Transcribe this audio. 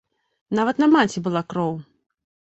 Нават на маці была кроў!